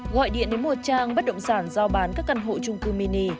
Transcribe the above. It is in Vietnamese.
gọi điện đến một trang bất động sản giao bán các căn hộ trung cư mini